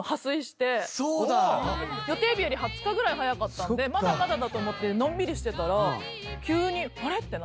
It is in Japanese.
予定日より２０日ぐらい早かったんでまだだと思ってのんびりしてたら急にあれっ？ってなって。